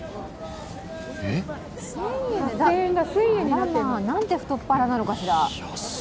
なんて太っ腹なのかしら。